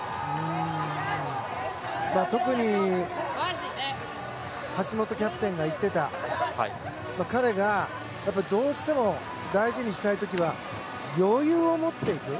特に橋本キャプテンが言っていた彼がどうしても大事にしたい時は余裕を持っていく。